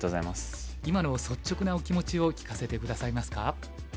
今の率直なお気持ちを聞かせて下さいますか？